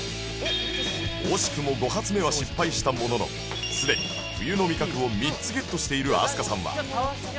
惜しくも５発目は失敗したもののすでに冬の味覚を３つゲットしている飛鳥さんは